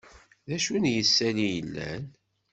D acu n yisali yellan?